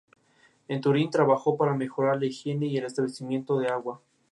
Sus ideas principales se basaron en esa historia.